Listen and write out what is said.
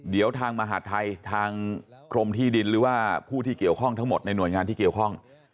เดี๋ยวทางมหาดไทยทางกรมที่ดินหรือว่าผู้ที่เกี่ยวข้องทั้งหมดในหน่วยงานที่เกี่ยวข้อง